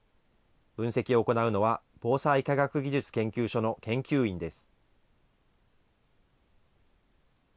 分析を行うのは、防災科学技術研究所の研究員です。